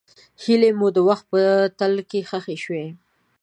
هیلې مې د وخت په تل کې ښخې شوې.